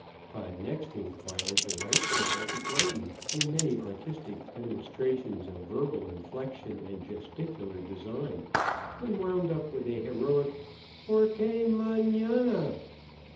Pod next inquired the right trail to Brighton in many artistic demonstrations of verbal inflection and gesticular design, and wound up with a heroic "Porque Manana."